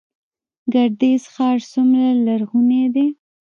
ګردیز ښار څومره لرغونی دی؟